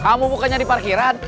kamu bukannya di parkiran